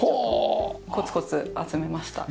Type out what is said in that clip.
コツコツ集めました。